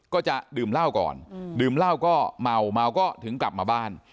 ก็จะดื่มเหล้าก่อนดื่มเหล้าก็เมาเมาก็ถึงกลับมาบ้าน